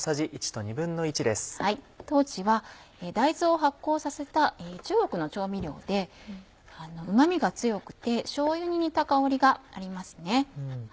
豆は大豆を発酵させた中国の調味料でうま味が強くてしょうゆに似た香りがあります。